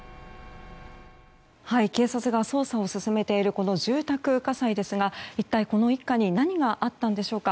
警察が捜査を進めている住宅火災ですが一体この一家に何があったんでしょうか。